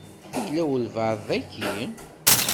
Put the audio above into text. Yella walebɛaḍ daki?